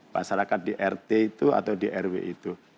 masyarakat di rt itu atau di rw itu